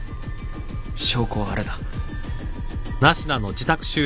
証拠はあれだ。